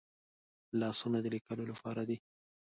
لاسونه د لیکلو لپاره دي